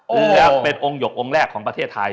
รู้แล้วเป็นองค์หยกองค์แรกของประเทศไทย